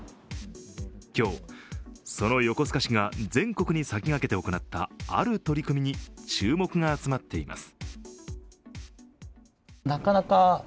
今日、その横須賀市が全国に先駆けて行ったある取り組みに注目が集まっています。